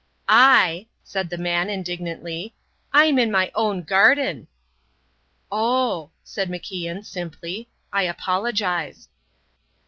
"I," said the man, indignantly, "I'm in my own garden." "Oh," said MacIan, simply, "I apologize."